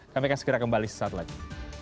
kami akan segera kembali sesaat lagi